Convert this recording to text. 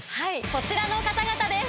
こちらの方々です！